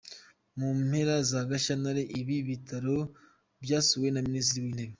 Mu mpera za Gashyantare ibi bitaro byasuwe na Minisitiri w’Intebe